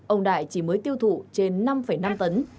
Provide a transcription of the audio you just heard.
ông đại chỉ mới tiêu thụ trên năm năm tấn